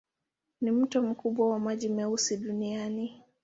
Ni mto mkubwa wa maji meusi duniani.